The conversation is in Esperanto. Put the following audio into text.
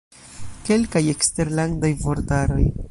Kelkaj eksterlandaj vortaroj.